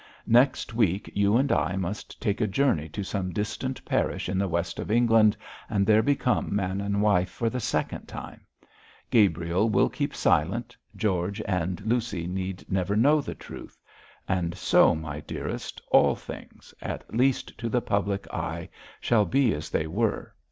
Next week you and I must take a journey to some distant parish in the west of England, and there become man and wife for the second time. Gabriel will keep silent; George and Lucy need never know the truth; and so, my dearest, all things at least to the public eye shall be as they were.